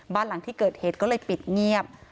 บ้านหลังที่เกิดเหตุก็เลยปิดเงียบ